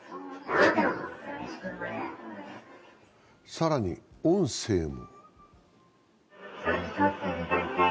更に、音声も。